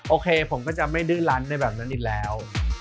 โอเคผมก็จะไม่ดื้อลั้นในแบบนั้นอีกแล้ว